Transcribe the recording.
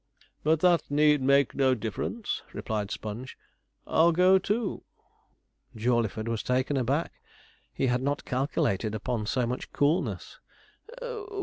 'But that need make no difference,' replied Sponge; 'I'll go too.' Jawleyford was taken aback. He had not calculated upon so much coolness.